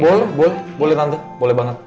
boleh boleh boleh tante boleh banget